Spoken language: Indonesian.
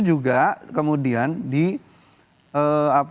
juga kemudian di apa